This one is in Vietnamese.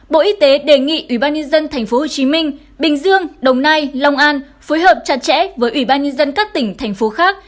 bộ y tế đề nghị ủy ban nhân dân tp hcm bình dương đồng nai long an phối hợp chặt chẽ với ủy ban nhân dân các tỉnh thành phố khác